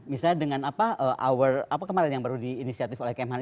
misalnya dengan kemarin yang baru diinisiatif oleh kem haun